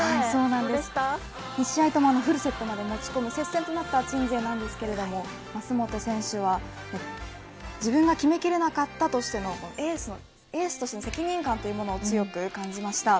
２試合ともフルセットまでもち込む接戦となった鎮西でしたが舛本選手は自分が決めきれなかったエースとしての責任感というものを強く感じました。